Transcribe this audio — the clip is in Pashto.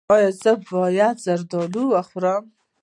ایا زه باید زردالو وخورم؟